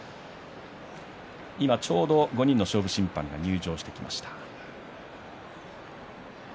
今ちょうど５人の中勝負審判が入場してきました。